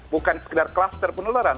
bukan sekadar klaster penularan